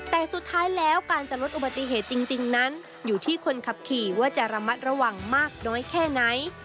แต่สุดท้ายแล้วการจะลดอุบัติเหตุจริงนั้นอยู่ที่คนขับขี่ว่าจะระมัดระวังมากน้อยแค่ไหน